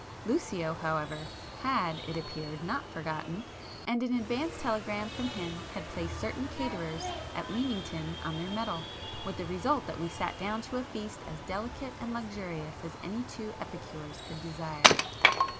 Lucio however had, it appeared, not forgotten, and an advance telegram from him had placed certain caterers at Leamington on their mettle, with the result that we sat down to a feast as delicate and luxurious as any two epicures could desire.